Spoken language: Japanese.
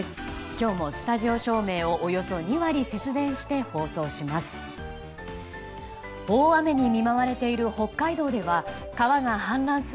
今日もスタジオ照明をおよそ２割節電して放送します。